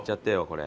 これ。